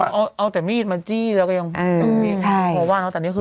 เจ้าเอาแต่มีดมาจี้แล้วก็ยัง